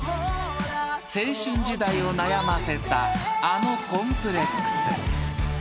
［青春時代を悩ませたあのコンプレックス］